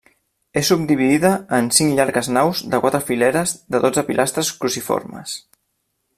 És subdividida en cinc llargues naus de quatre fileres de dotze pilastres cruciformes.